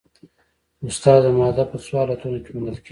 استاده ماده په څو حالتونو کې موندل کیږي